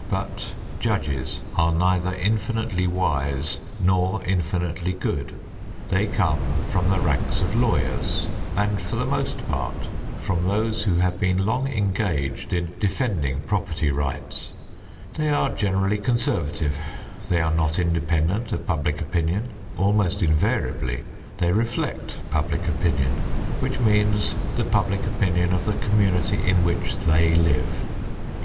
But judges are neither infinitely wise nor infinitely good; they come from the ranks of lawyers and for the most part from those who have been long engaged in defending property rights; they are generally conservative; they are not independent of public opinion; almost invariably they reflect public opinion, which means the public opinion of the community in which they live.